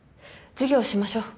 授業しましょう。